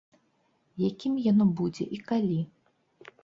Якім яно будзе і калі?